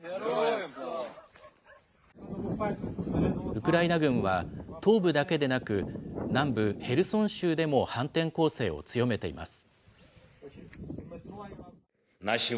ウクライナ軍は、東部だけでなく南部ヘルソン州でも反転攻勢を強めています。